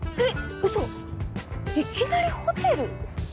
ウソいきなりホテル？